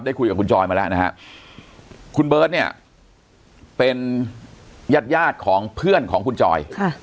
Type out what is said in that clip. คุยกับคุณจอยมาแล้วนะฮะคุณเบิร์ตเนี่ยเป็นญาติยาดของเพื่อนของคุณจอย